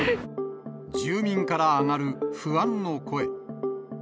住民から上がる不安の声。